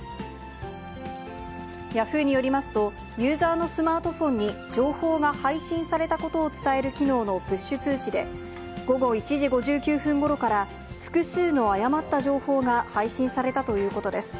ヤフーによりますと、ユーザーのスマートフォンに情報が配信されたことを伝える機能のプッシュ通知で、午後１時５９分ごろから、複数の誤った情報が配信されたということです。